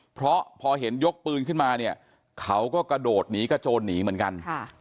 เพราะพอเห็นยกปืนขึ้นมาเนี่ยเขาก็กระโดดหนีกระโจนหนีเหมือนกัน